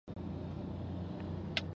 ته لکه د شړومبو مچ د خبرو په منځ کې ولوېدې.